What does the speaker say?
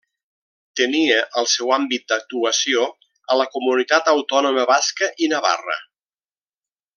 Tenia el seu àmbit d'actuació a la Comunitat Autònoma Basca i Navarra.